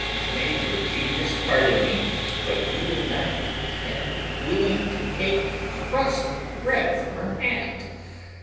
May your genius pardon me, but you would not have been willing to take a crust of bread from her hand.